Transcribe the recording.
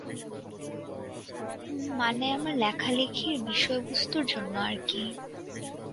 মানে আমার লেখালেখির বিষয়বস্তুর জন্য আর কি!